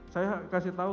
saya kasih tahu